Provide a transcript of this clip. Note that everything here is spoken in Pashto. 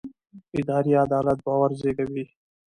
اداري عدالت باور زېږوي